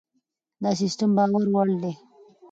دا سیستم باور وړ دی.